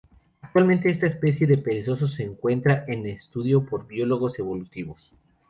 Actualmente, esta especie de perezoso se encuentra en estudio por biólogos evolutivos.